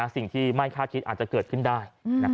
สิ่งที่ไม่คาดคิดอาจจะเกิดขึ้นได้